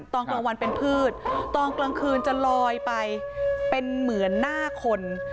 ตอนกลางวันเป็นพืชตอนกลางคืนจะลอยไปเป็นเหมือนหน้าคน